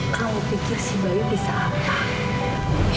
kamu pikir si bayi bisa apa